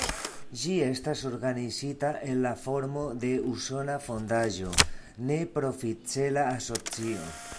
Ĝi estas organizita en la formo de usona fondaĵo, ne-profit-cela asocio.